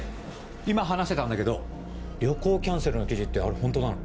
今話してたんだけど旅行キャンセルの記事ってあれホントなの？